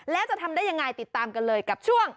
แล้วจะทำได้ยังไงติดตามกันเลยกับช่วง